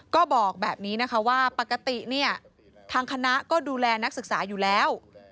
ก็บอกแบบนี้นะคะว่าปกติเนี่ยทางคณะก็ดูแลนักศึกษาอยู่แล้ว